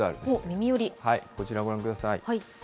こちらご覧ください。